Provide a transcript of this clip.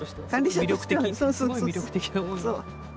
すごい魅力的なお庭。